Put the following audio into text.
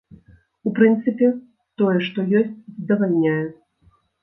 У прынцыпе, тое, што ёсць, задавальняе.